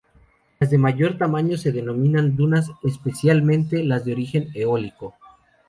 Las de mayor tamaño se denominan dunas, especialmente las de origen eólico.